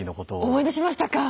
思い出しましたか！